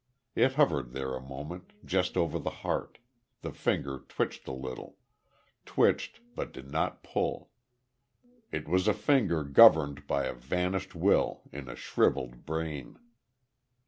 It hovered there a moment, just over the heart the finger twitched a little twitched but did not pull. It was a finger governed by a vanished will in a shrivelled brain.